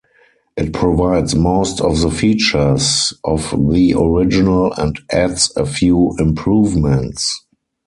It provides most of the features of the original and adds a few improvements.